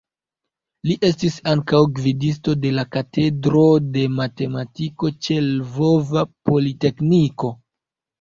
Li estis ankaŭ gvidisto de la Katedro de Matematiko ĉe Lvova Politekniko.